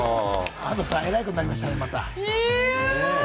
安藤さん、えらいことになりましたね、また。